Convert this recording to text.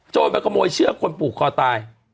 โจมไม่ขโมยเชื้อคนผูกคอตาย